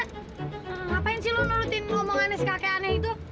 ngapain sih lu nurutin omongannya si kakek aneh itu